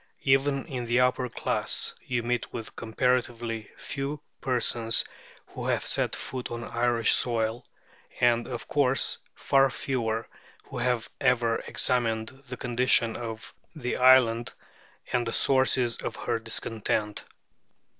Even in the upper class, you meet with comparatively few persons who have set foot on Irish soil, and, of course, far fewer who have ever examined the condition of the island and the sources of her discontent.